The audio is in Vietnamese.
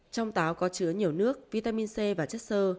trong táo có chứa nhiều nước vitamin c và chất sơ